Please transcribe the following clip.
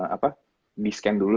apa di scan dulu